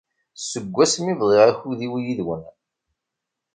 Seg wasmi i bḍiɣ akud-iw yid-wen.